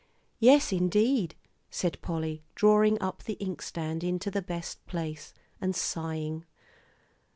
"Yes, indeed," said Polly, drawing up the inkstand into the best place, and sighing.